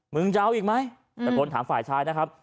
มึงจะเอาอีกไหมตะโกนถามฝ่ายชายนะครับ